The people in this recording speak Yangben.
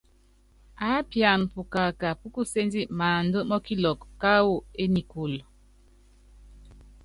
Aápiana pukaka púkuséndi maánda mɔkilɔkɔ káwú énikúlu.